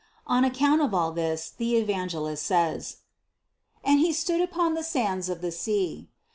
On account of all this the Evangelist says : 133. "And he stood upon the sands of the sea."